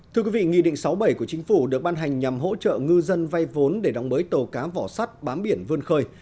thưa quý vị nghị định sáu bảy của chính phủ được ban hành nhằm hỗ trợ ngư dân vay vốn để đóng mới tàu cá vỏ sắt bám biển vươn khơi